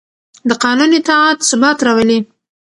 د قانون اطاعت ثبات راولي